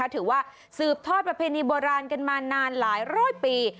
ถือว่าสืบทอดประเพณีโบราณกันมานานหลายร้อยปี